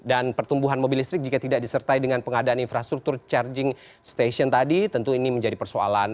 dan pertumbuhan mobil listrik jika tidak disertai dengan pengadaan infrastruktur charging station tadi tentu ini menjadi persoalan